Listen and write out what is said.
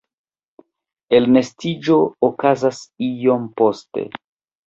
Elnestiĝo okazas iom poste.